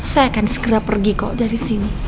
saya akan segera pergi kok dari sini